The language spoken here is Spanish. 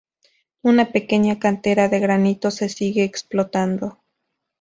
Una pequeña cantera de granito se sigue explotando.